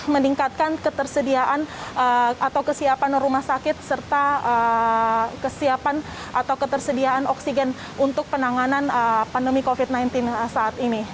meningkatkan ketersediaan atau kesiapan rumah sakit serta kesiapan atau ketersediaan oksigen untuk penanganan pandemi covid sembilan belas saat ini